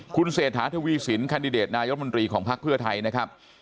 คุณเศรษฐาทวีสินแคนดิเดตนายมนตรีของพักเพื่อไทยนะครับ